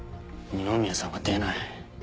二宮さんが出ない。